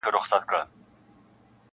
خو زه تاسي ته كيسه د ژوند كومه-